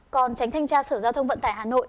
còn tránh thanh tra sở giao thông vận tải hà nội